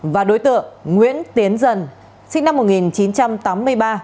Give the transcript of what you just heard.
và đối tượng nguyễn tiến dân sinh năm một nghìn chín trăm tám mươi bảy